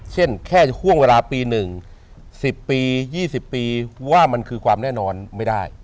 เช่นแค่ห่วงเวลาปี๑๑๐ปี๒๐ปีว่ามันคือความแน่นอนไม่ได้